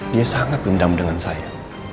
dia sangat dendam dengan saya